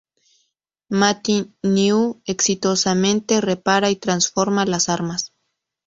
Mata Nui exitosamente repara y transforma las armas.